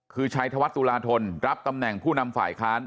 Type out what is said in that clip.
คือชัยธวัฒนตุลาธนรับตำแหน่งผู้นำฝ่ายค้าน